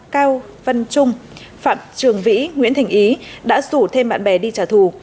cao văn trung phạm trường vĩ nguyễn thỉnh ý đã rủ thêm bạn bè đi trả thù